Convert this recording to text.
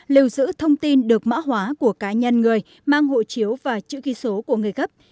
lưu giữ thông tin được mã hóa của cá nhân người mang hộ chiếu và chữ ký số của người gấp